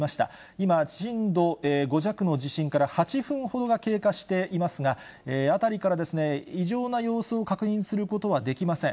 今、震度５弱の地震から８分ほどが経過していますが、辺りから異常な様子を確認することはできません。